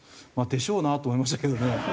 でしょうなと思いましたけどね。